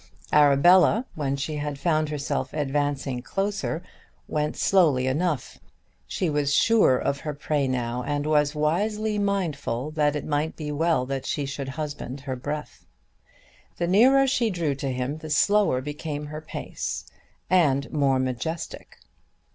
Arabella when she had found herself advancing closer went slowly enough. She was sure of her prey now, and was wisely mindful that it might be well that she should husband her breath. The nearer she drew to him the slower became her pace, and more majestic.